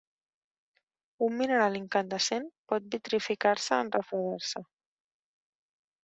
Un mineral incandescent pot vitrificar-se en refredar-se.